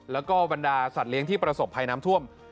แล้วก็บรรดาสัตว์เลี้ยงที่ประสบภัยน้ำท่วม